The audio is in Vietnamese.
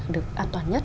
được an toàn nhất